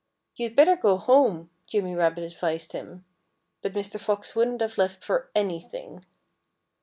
"You'd better go home," Jimmy Rabbit advised him. But Mr. Fox wouldn't have left for anything.